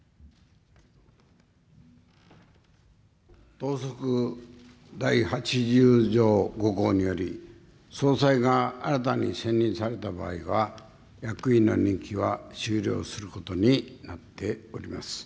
党則第８０条５項により、総裁が新たに選任された場合は、役員の任期は終了することになっております。